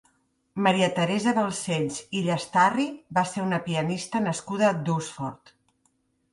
Maria Teresa Balcells i Llastarry va ser una pianista nascuda a Dusfort.